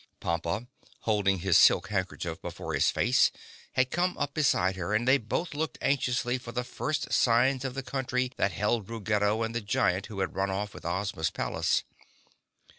Pompa, holding his silk handkerchief before his face, had come up beside her and they both looked anxiously for the first signs of the country that held Ruggedo and the giant who had run off with Ozma's palace.